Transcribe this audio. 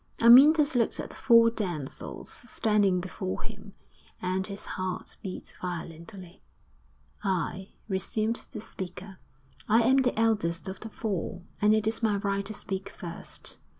Amyntas looked at the four damsels standing before him, and his heart beat violently. 'I,' resumed the speaker 'I am the eldest of the four, and it is my right to speak first.'